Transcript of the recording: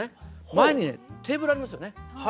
前にテーブルありますよね。